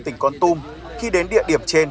tỉnh con tôm khi đến địa điểm trên